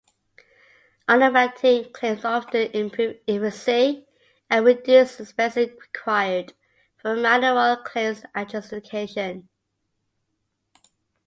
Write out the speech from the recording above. Automating claims often improve efficiency and reduce expenses required for manual claims adjudication.